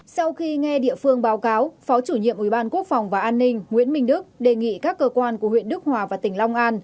sau khi nghe địa phương báo cáo phó chủ nhiệm ủy ban quốc phòng và an ninh nguyễn minh đức đề nghị các cơ quan của huyện đức hòa và tỉnh long an